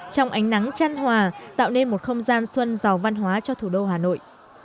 trong ánh nắng chăn hòa tạo nên một không gian xuân giàu văn hóa cho thủ đô hà nội